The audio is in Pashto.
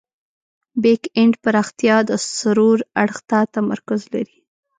بیک اینډ پراختیا د سرور اړخ ته تمرکز لري.